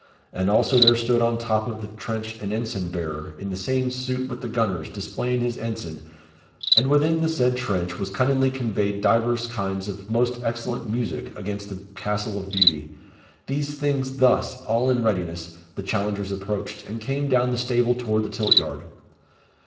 And also there stood on the top of the trench an ensign bearer, in the same suit with the gunners, displaying his ensign, and within the said trench was cunningly conveyed divers kinds of most excellent music against the Castle of Beauty. These things thus all in readiness, the challengers approached, and came down the stable toward the tilt yard."